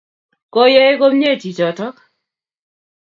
Koyai komnye chi chotok